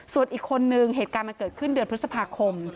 ส่วนอีกคนนึงเหตุการณ์มันเกิดขึ้นเดือนพฤษภาคม